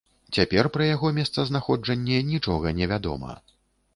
Цяпер пра яго месцазнаходжанне нічога не вядома.